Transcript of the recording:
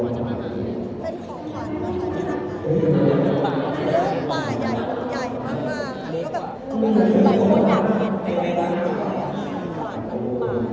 อีกใกล้แล้วแต่เรามีก็ดูวิธีเลี้ยง